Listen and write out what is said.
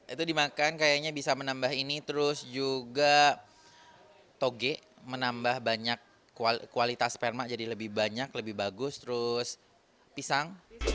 itu dimakan kayaknya bisa menambah ini terus juga toge menambah banyak kualitas sperma jadi lebih banyak lebih bagus terus pisang